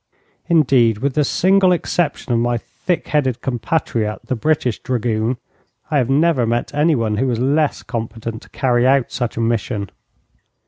Indeed, with the single exception of my thick headed compatriot, the British dragoon, I have never met anyone who was less competent to carry out such a mission.'